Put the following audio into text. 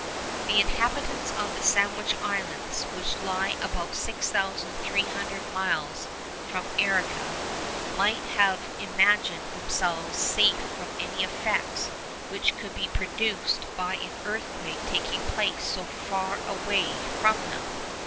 The inhabitants of the Sandwich Islands, which lie about 6,300 miles from Arica, might have imagined themselves safe from any effects which could be produced by an earthquake taking place so far away from them.